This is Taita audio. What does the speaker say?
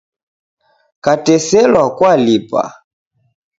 Kateselwa kwalipa.